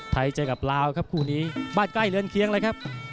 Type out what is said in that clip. เจอกับลาวครับคู่นี้บ้านใกล้เรือนเคียงเลยครับ